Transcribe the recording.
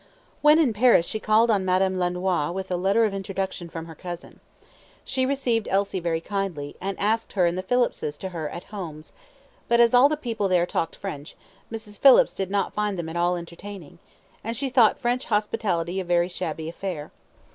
When in Paris she called on Madame Lenoir with a letter of introduction from her cousin. She received Elsie very kindly, and asked her and the Phillipses to her 'at homes'; but as all the people there talked French, Mrs. Phillips did not find them at all entertaining, and she thought French hospitality a very shabby affair.